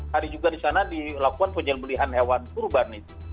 hari juga di sana dilakukan penyelembelian hewan korban